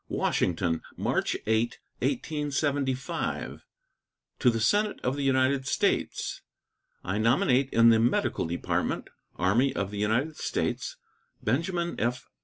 WASHINGTON, March 8, 1875. To the Senate of the United States: I nominate in the Medical Department, Army of the United States, Benjamin F.